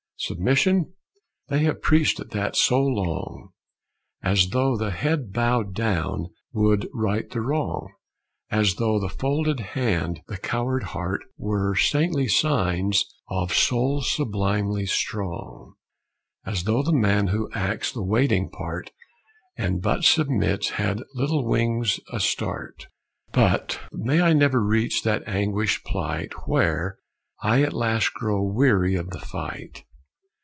Submission? They have preached at that so long. As though the head bowed down would right the wrong, As though the folded hand, the coward heart Were saintly signs of souls sublimely strong; As though the man who acts the waiting part And but submits, had little wings a start. But may I never reach that anguished plight Where I at last grow weary of the fight.